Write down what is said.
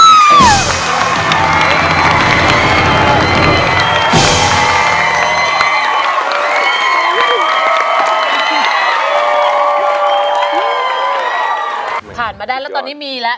ผ่านมาได้แล้วตอนนี้มีแล้ว